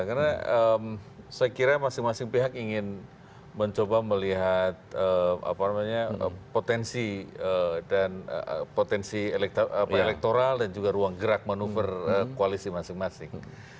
karena saya kira masing masing pihak ingin mencoba melihat potensi elektoral dan juga ruang gerak manuver koalisi masing masing